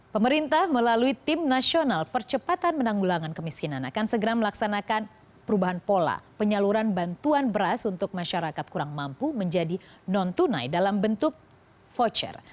pemerintah melalui tim nasional percepatan menanggulangan kemiskinan akan segera melaksanakan perubahan pola penyaluran bantuan beras untuk masyarakat kurang mampu menjadi non tunai dalam bentuk voucher